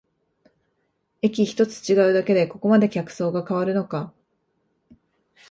駅ひとつ違うだけでここまで客層が変わるのか